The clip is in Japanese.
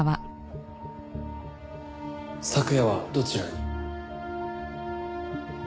昨夜はどちらに？